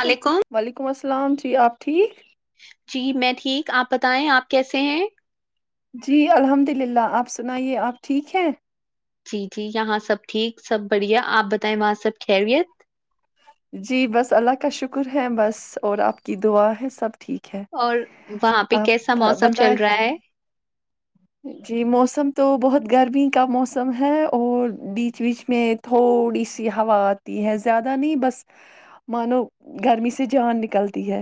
کم وعلیکم السلام جی آپ ٹھیک جی میں ٹھیک آپ بتائیں آپ کیسے ہیں جی الحمد للہ آپ سنائیے آپ ٹھیک ہیں جی جی یہاں سب ٹھیک سب بڑھیا آپ بتائیں وہاں سب خیریت ہے جی بس اللہ کا شکر ہے بس اور آپ کی دعا ہے سب ٹھیک ہے اور وہاں پہ کیسا آپ موسم چل بتائیں رہا ہے جی موسم تو بہت گرمی کا موسم ہے اور بیچ بیچ میں تھوڑی سی ہوا آتی ہے زیادہ نہیں بس مانو گرمی سے جان نکلتی ہے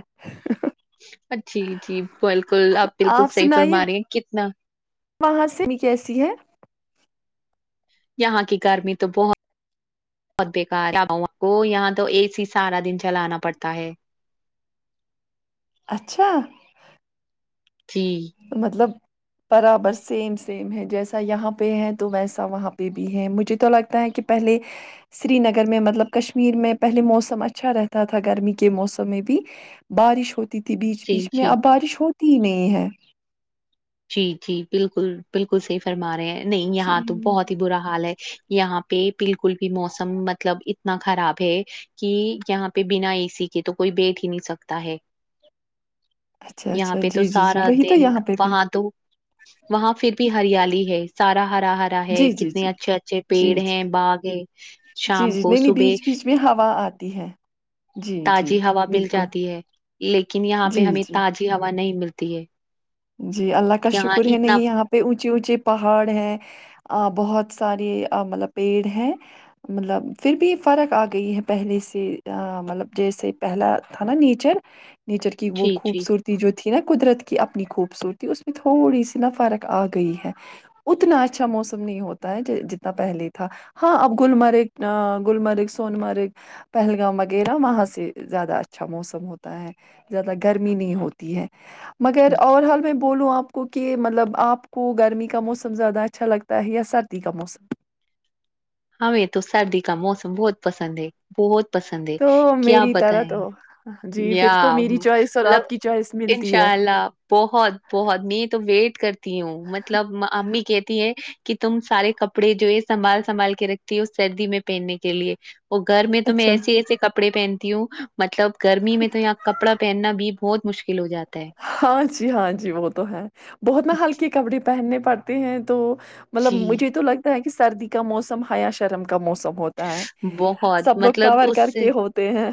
جی جی بالکل آپ بالکل صحیح فرما رہی ہیں کتنا وہاں سے بھی کیسی ہے یہاں کی گرمی تو بہت بہت بےکارا کو یہاں تو اے سی سارا دن چلانا پڑتا ہے اچھا جی مطلب برابر سیم سیم ہے جیسا یہاں پہ ہے تو ویسا وہاں پہ بھی ہے مجھے تو لگتا ہے کہ پہلے سری نگر میں مطلب کشمیر میں پہلے موسم اچھا رہتا تھا گرمی کے موسم میں بھی بارش ہوتی تھی بیچ جی بیچ میں جی اب بارش ہوتی ہی نہیں ہے جی جی بالکل بالکل صحیح فرما رہے ہیں نہیں یہاں تو بہت ہی برا حال ہے یہاں پہ بالکل بھی موسم مطلب اتنا خراب ہے کی یہاں پہ بنا اے سی کے تو کوئی بیٹھ ہی نہیں سکتا ہے اچھا یہاں اچھا پہ تو جی جی جی سارا وہی تو دن یہاں پہ بھی وہاں تو وہاں پھر بھی ہریالی ہے سارا ہرا ہرا ہے جی جی کتنے جی اچھے اچھے جی پیڑ ہے باغ ہے شام کو صبح تی ہے جی جی تازی ہوا مل بالکل جاتی ہے لیکن یہاں پہ جی ہمیں جی تازی ہوا نہیں ملتی ہے جی اللہ کا یہاں شکر ہے اتنا نہیں یہاں پہ اونچے اونچے پہاڑ ہیں آ بہت ساری آ مطلب پیڑ ہیں مطلب پھر بھی فرق آ گئی ہے پہلے سے آ مطلب جیسے پہلا تھا نا نیچر نیچر کی وہ جی، جی۔ خوبصورتی جو تھی نا قدرت کی اپنی خوب صورتی اس میں تھوڑی سی نا فرق آ گئی ہے اتنا اچھا موسم نہیں ہوتا ہے جو جتنا پہلے تھا ہاں اب گللمرگ گلمرگ سونمرگ پہلگام وغیرہ وہاں سے زیادہ اچھا موسم ہوتا ہے زیادہ گرمی نہیں ہوتی ہے مگر اور ہم میں بولوں آپ کو کہ مطلب آپ کو گرمی کا موسم زیادہ اچھا لگتا ہے یا سردی کا موسم ہمیں تو سردی کا موسم بہت پسند ہے بہت پسند ہے تو کیا میری طرح بتائیں تو جی پھر یا تو میری چوائس اور مطلب آپ کی چوائس ملتی انشاء ہے اللہ بہت بہت میں تو ویٹ کرتی ہوں مطلب امی کہتی ہیں کہ تم سارے کپڑے جو ہے سنبھال سنبھال کے کے رکھتی ہے سردی میں پہننے کے لیے وہ گھر میں تو میں اچھا ایسے ایسے کپڑے پہنتی ہوں مطلب گرمی میں تو یہاں کپڑا پہننا بھی بہت مشکل ہو جاتا ہے ہاں جی ہاں جی وہ تو ہے بہت نا ہلکے کپڑے پہننے پڑتے ہیں تو مطلب جی مجھے تو لگت کہ سردی کا موسم حیا شرم کا موسم ہوتا ہے بہت سب لوگ مطلب کور کر اس سے کے ہوت تے ہے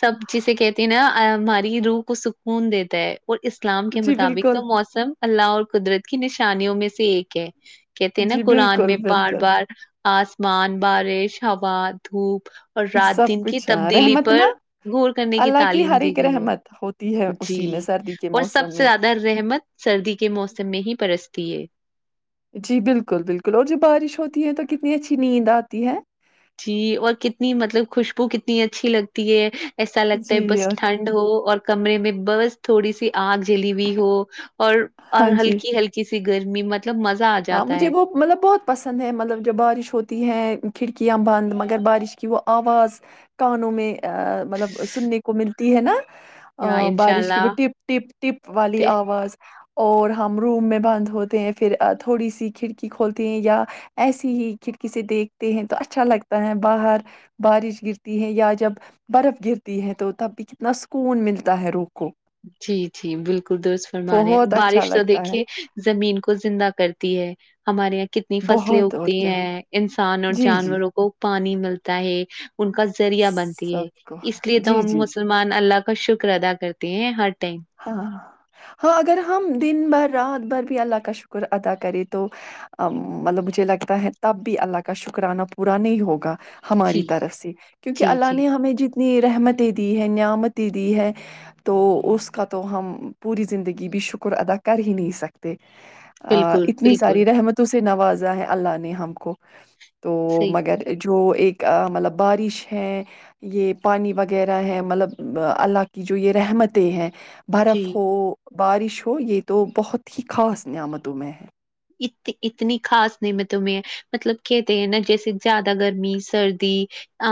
سب جسے کہتی ہیں نا آی ہماری روح کو سکون دیتا ہے اور اسلام کے جی مطابق بالکل تو موسم اللہ اور قدرت کی نشانیوں میں سے ایک ہے کہتے ہیں نا جی قرآن بالکل میں بار بالکل بار آسمان بارش ہوا دھوپ اور رات سب دن کی کچھ ہاں تبدیلی رحمت پر نا غور کرنے کی اللہ تعلیم ہر دی ایک گئی ہے رحمت ہوتی ہے جی اسی میں سردی کے اور سب موسم سے میں زیادہ رحمت سردی کے موسم میں ہی برستی ہے جی بالکل بالکل اور جب بارش ہوتی ہے تو کتنی اچھی نیند آتی ہے جی اور کتنی مطلب خوشبو کتنی اچھی لگتی ہے ایسا لگتا ہے جی بس اور ٹھنڈ ہو اور کمرے میں بس تھوڑی سی آگ جلی ہوئی ہو اور اور ہاں جی ہلکی ہلکی سی گرمی مطلب مزہ آت ہاں مجھے وہ مطلب بہت پسند ہے مطلب جب بارش ہوتی ہے کھڑکیاں بند مگر بارش کی وہ آواز کانوں میں مطلب سننے کو ملتی ہے نا یا آ انشاء بارش کی وہ اللہ ٹپ ٹپ ٹپ والی تے آواز اور ہم روم میں بند ہوتے ہیں پھر تھوڑی سی کھڑکی کھولتے ہیں یا ایسی ہی کھڑکی سے دیکھتے ہیں تو اچھا لگتا ہے باہر بارش گرتی ہے یا جب برف گرتی ہے تو تب بھی کتنا سکون ملتا ہے روح کو جی جی بالکل درست فرما رہے ہیں بہت اچھا بارش تو لگتا ہے دیکھیے زمین کو زندہ کرتی ہے ہمارے یہاں کتنی فصلیں بہت اور اگتی کیا ہیں انسان اور جی جی جانوروں کو پانی ملتا ہے ان کا ذ ذریعہ بنتی سب ہے کو اس لیے تو جی ہم جی جی مسلمان اللہ کا شکر ادا کرتے ہیں ہر ٹائم ہاں ہاں اگر ہم دن بھر رات بھر بھی اللہ کا شکر ادا کریں تو آمم مطلب مجھے لگتا ہے تب بھی اللہ کا شکرانہ پورا نہیں ہوگا ہماری جی۔ طرف سے کیونکہ جی اللہ جی نے ہمیں جی تنی رحمتیں دی ہے نعمتیں دی ہے تو اس اس کا تو ہم پوری زندگی بھی شکر ادا کر ہی نہیں سکتے بالکل اتنی بالکل ساری رحمتوں سے نوازا ہے اللہ نے ہم کو تو صحیح مگر جو ایک آ مطلب بارش ہے یہ پانی وغیرہ ہے مطلب اللہ کی جو یہ رحمتیں ہیں برف جی ہو بارش ہو یہ تو بہت ہی خاص نعمتوں میں ہے اتی اتنی خاص نعمتوں میں مطلب کہتے ہیں ناں جیسے زیادہ گرمی سردی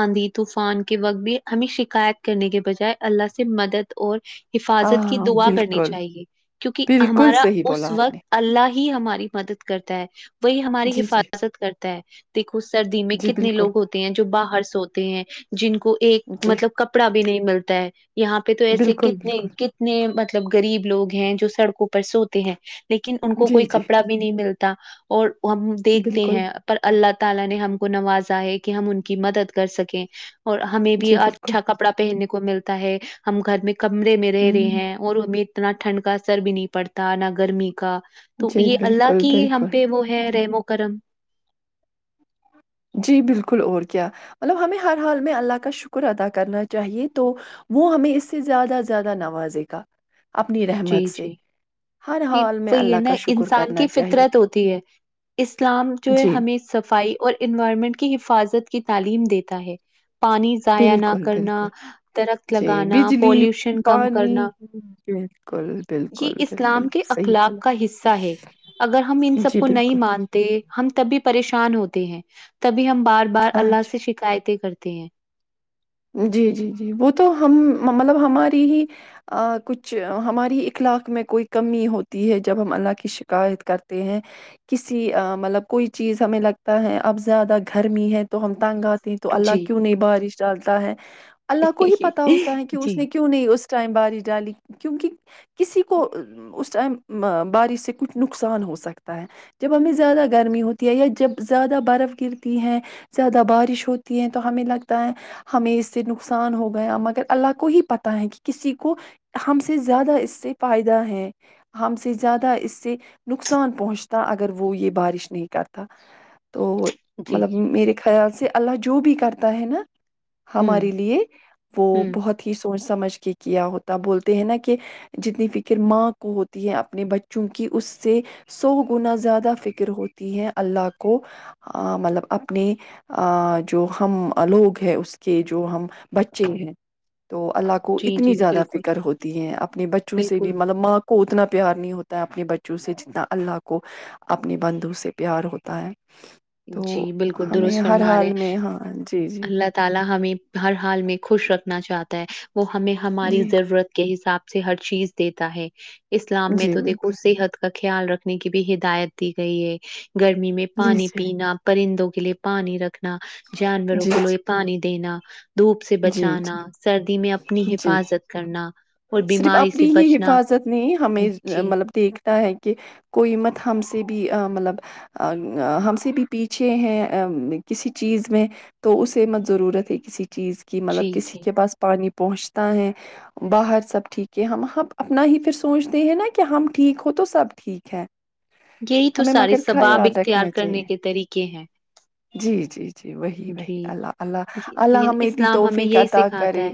آندھی طوفان کے وقت بھی ہمیں شکایت کرنے کے بجائے اللہ سے مدد اور حفاظت کی ہاں دعا کرنی بالکل چاہیے کیونکہ بالکل ہمارا صحیح اس بولا آپ نے وقت اللہ ہی ہماری مدد کرتا ہے وہی ہماری جی جی حفاظت کرتا ہے دیکھو سردی میں جی کتنے بالکل لوگ ہوتے ہیں جو باہر سوتے ہیں جن کو ایک جی مطلب کپڑا بھی نہیں ملتا ہے یہاں پہ پہ تو ایس بالکل کتنے بالکل کتنے مطلب غریب لوگ ہیں جو سڑکوں پر سوتے ہیں لیکن ان کو کوئی جی جی کپڑا بھی نہیں ملتا اور ہم دیکھتے بالکل ہیں پر اللہ تعالی نے ہم کو نوازا ہے کہ ہم ان کی مدد کر سکیں اور ہمیں بھی جی بالکل اچھا کپڑا پہننے کو ملتا ہے ہم گھر میں کمرے میں رہ ہ رہے ہیں اور ہمیں اتنا ٹھنڈ کا اثر بھی نہیں پڑتا نہ گرمی کا تو جی یہ اللہ بالکل کی ہی ہم بالکل پہ وہ ہے رحم و کرم جی بالکل اور کیا مطلب ہمیں ہر حال میں اللہ کا شکر ادا کرنا چاہیے تو وہ ہمیں اس سے زیادہ زیادہ نوازے گا اپنی رحمت جی سے جی ہر حال میں وہی اللہ ناں کا شکر انسان کی کرنا چاہیے فطرت ہوتی ہے اسلام جو ہے جی ہمیں صفائی اور انوائرمنٹ کی حفاظت کی تعلیم دیتا ہے پانی ضائع نہ بالکل کرنا بالکل درخت جی لگانا بجلی پولوشن کم پانی کرنا بالکل یہ بالکل اسلام بالکل کے صحیح اخلاق کا بولا حصہ ہے اگر ہم ان سب جی کو نہیں بالکل مانتے ہم تبھی پریشان ہوتے ہیں تبھی ہم بار بار ہاں اللہ جی سے شکایتیں کرتے ہیں جی جی جی وہ تو ہم مطلب ہماری ہی آ کچھ ہماری اخلاق میں کوئی کمی ہوتی ہے جب ہم اللہ کی شکایت کرتے ہیں کسی مطلب کوئی چیز ہمیں لگتا ہے اب زیادہ گرمی ہے تو ہم تانگ‌ آ تو اللہ جی۔ کیوں نہیں بارش ڈالتا ہے اللہ کو ہی پتا ہوتا ہے کہ اس نے جی، کی کیوں نہیں اس ٹائم بارش ڈالی کیونکہ کسی کو اس ٹائم بارش سے کچھ نقصان ہو سکتا ہے جب ہمیں زیادہ گرمی ہوتی ہے یا جب زیادہ برف گرتی ہے زیادہ بارش ہوتی ہے تو ہمیں لگتا ہے ہمیں اس سے نقصان ہو گیا مگر اللہ کو ہی پتہ ہے کہ کسی کو ہم سے زیادہ اس سے فائدہ ہے ہم سے زیادہ اس سے نقصان پہنچتا اگر وہ یہ بارش نہیں کرتا تو جی۔ مطلب میرے خیال سے اللہ جو بھی کرتا ہے ناں ہوں، ہمارے لیے وہ ہوں۔ بہت ہی سوچ سمجھ کے کیا ہوتا بولتے ہیں ناں کہ جتنی فکر ماں کو ہوتی ہے اپنے بچوں کی اس سے سو گنا زیادہ فکر ہوتی ہے اللہ کو مطلب اپنے جو ہم لوگ ہیں اس کہ جو ہم بچے ہیں تو اللہ کو جی، اتنی جی، زیادہ بالکل، فکر ہوتی ہے اپنے بچوں سے بھی بالکل۔ مطلب ماں کو اتنا پیار نہیں ہوتا ہے اپنے بچوں سے جتنا اللہ کو اپنی بندو سے پیار ہوتا ہے تو جی بالکل درست ہمیں ہر فرمارے حال میں ہاں جی جی اللہ تعالی ہمیں ہر حال میں خوش رکھنا چاہتا ہے وہ ہمیں ہماری جی ضرورت کے حساب سے ہر چیز دیتا ہے اسلام میں جی تو بالکل دیکھو صحت کا خیال رکھنے کی بھی ہدایت دی گئی ہے گرمی میں جی پانی جی پینا، پرندوں کے لیے پانی رکھنا جانوروں جی کو لو پانی دینا دھوپ سے جی بچانا جی سردی میں اپنی جی حفاظت کرنا اور صرف بیماری سے اپنی ہی بچنا حفاظت ہمیں جی، مطلب دیکھتا ہے کہ کوئی مت ہم سے بھی مطلب ہم سے بھی پیچھے ہیں کسی چیز میں تو اسے مت ضرورت ہے کسی چیز کی جی، مطلب کسی جی۔ کے پاس پانی پہنچتا ہے باہر سب ٹھیک ہے ہم ہم اپنا ہی پھر سوچتے ہیں ناں کہ ہم ٹھیک ہوں تو سب ٹھیک ہے یہی تو ہمیں سارے مگر ثباب خیال اختیار رکھنا کرنے چاہیے کے طریقے ہیں جی جی جی وہی وہی جی، اللہ اللہ یہ اللہ یعنی میں اتنی اسلام ہمیں توفق یہی عطا سکھاتا ہے۔ کرے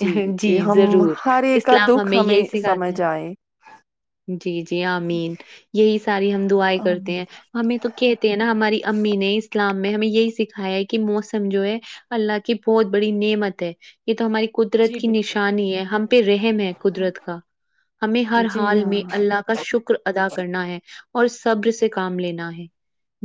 جی کہ ہم ضرور ہر ایک کا اسلام دکھ یہی ہمیں سکھاتا سمجھ ہے آئے جی جی آمین یہی ساری ہم دعائے کرتے ہیں ہمیں تو کہتے ہیں نا ہماری امی نے اسلام میں ہمیں یہی سکھایا ہے کہ موسم جو ہے اللہ کی بہت بڑی نعمت ہے یہ تو ہماری قدرت جی کی بالکل نشانی ہے ہم پہ رحم ہے قدرت کا ہمیں ہر جی حال ہاں میں اللہ لا کا شکر ادا کرنا ہے اور صبر سے کام لینا ہے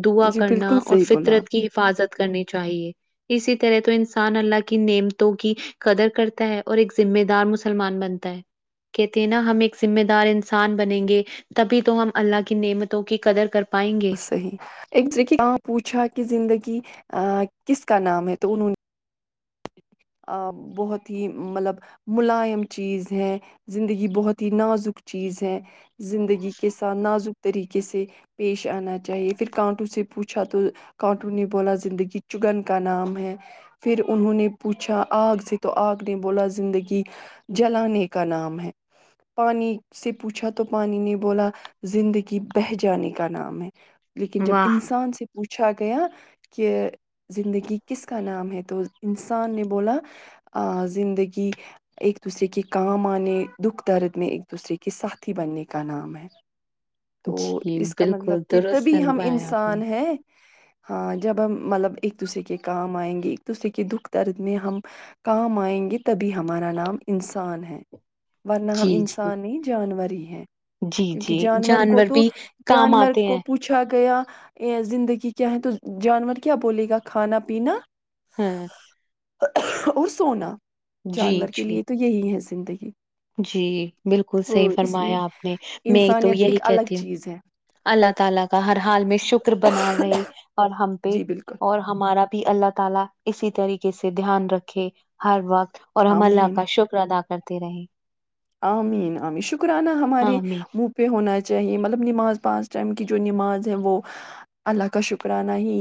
دعا جی کرنا بالکل اور صحیح بولا آپ فطرت کی حفاظت کرنی چاہیے اسی طرح تو انسان اللہ کی نعمتوں کی قدر کرتا ہے اور ایک ذمہ دار مسلمان بنتا ہے کہتے ہیں نا ہم ایک ذمے دار دار انسان بنیں گے تبھی تو ہم اللہ کی نعمتوں کی قدر کر پائیں گے بالکل صحیح ایک جگہ پوچھا کہ زندگی کس کا نام ہے تو انہوں نے بہت ہی مطلب ملائم چیز ہے زندگی بہت ہی نازک چیز ہے زندگی کے ساتھ نازک طریقے سے پیش آنا چاہیے پھر کانٹو سے پوچھا تو کانٹو نے بولا زندگی چگن کا نام ہے پھر انہوں نے پوچھا آگ سے تو آگ نے بولا زندگی جلانے کا نام ہے پانی سے پوچھا تو پانی نے بولا زندگی بھہ جانے کا نام ہے لیکن جب واہ انسان سے پوچھا گیا کہ زندگی کس کا نام ہے تو انسان نے بولا زندگی ایک دوسرے کے کام آنے دکھ درد میں ایک دوسرے کے ساتھی بننے کا نام ہے [inaudible] تو جی اس کا بالکل مطلب کہ درست تبھی ہم فرمایا آپ نے انسان ہیں ہاں جب ہم مطلب ایک دوسرے کے کام آئیں گے ایک دوسرے کے کہ دکھ درد میں ہم کام آئیں گے تبھی ہمارا نام انسان ہے ورنہ ہم جی جی انسانی جانور ہی ہیں جی کیونکہ جی جانور کو تو بھی کام جانور آتے کو ہیں پوچھ پوچھا گیا یہ زندگی کیا ہے تو جانور کیا بولے گا کھانا پینا ہاں اور سونا جی جانور کے جی لیے تو یہی ہے زندگی جی بالکل صحیح تو اس لیے فرمایا آپ نے میں تو انسانیت یہی ایک الگ کہتی ہوں چیز ہے اللہ تعالی کا ہر حال میں شکر بنا رہے اور ہم پہ جی بالکل اور ہمارا بھی اللہ تعالی اسی طریقے سے دھیان رکھے ہر وقت اور ہم اللہ آمین کا شکر ادا کرتے رہے آمین آمین شکرانہ ہمارے آمین منہ پہ ہونا چاہیے مطلب نماز پانچ ٹائم کی جو نماز ہے وہ اللہ کا شکرانہ ہی